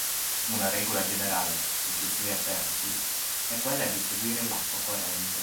Una regola generale, se ci si è persi, è quella di seguire l'acqua corrente.